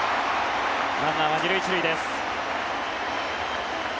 ランナーは２塁１塁です。